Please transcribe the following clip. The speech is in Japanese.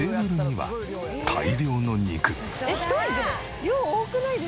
はい。